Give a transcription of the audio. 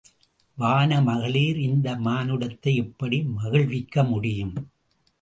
வான மகளிர் இந்த மானுடத்தை எப்படி மகிழ்விக்க முடியும்.